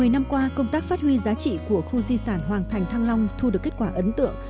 một mươi năm qua công tác phát huy giá trị của khu di sản hoàng thành thăng long thu được kết quả ấn tượng